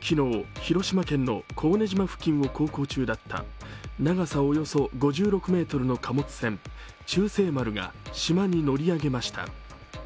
昨日、広島県の高根島付近を航行中だった長さおよそ５６ｍの貨物船「忠誠丸」が島に乗り上げました。